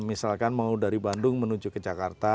misalkan mau dari bandung menuju ke jakarta